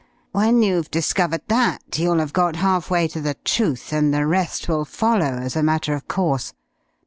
When you've discovered that, you'll have got half way to the truth, and the rest will follow as a matter of course....